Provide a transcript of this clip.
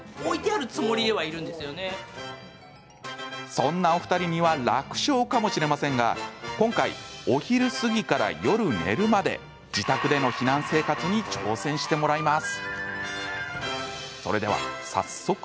そんなお二人には楽勝かもしれませんが今回お昼過ぎから夜寝るまで自宅での避難生活に挑戦してもらいます。